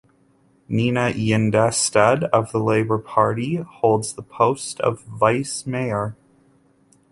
Nina Yndestad of the Labour Party holds the post of vice mayor.